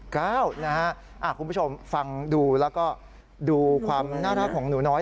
คุณผู้ชมฟังดูแล้วก็ดูความน่ารักของหนูน้อย